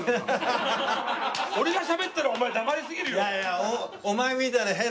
俺が喋ったらお前黙りすぎるよ！